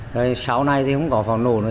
rồi sau này thì không có pháo nổ nữa